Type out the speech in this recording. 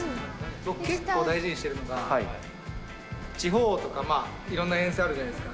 僕、結構大事にしてるのが、地方とか、いろんな遠征あるじゃないですか。